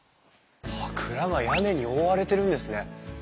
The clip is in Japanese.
蔵が屋根に覆われてるんですね。